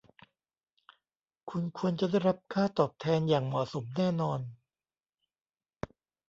คุณควรจะได้รับค่าตอบแทนอย่างเหมาะสม แน่นอน